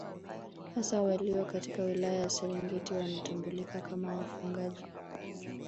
Hasa walio katika wilaya ya Serengeti wanatambulika kama wafugaji